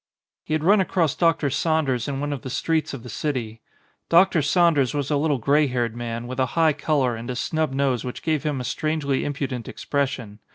He had run across Dr. Saunders in one of the streets of the city. Dr. Saunders was a little grey haired man, with a high colour and a snub nose which gave him a strangely impudent expres sion.